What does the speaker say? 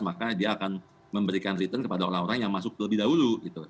maka dia akan memberikan return kepada orang orang yang masuk terlebih dahulu